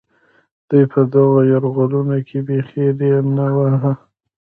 دوی په دغو یرغلونو کې بېخي ري نه واهه.